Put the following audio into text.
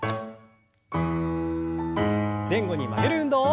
前後に曲げる運動。